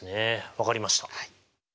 分かりました。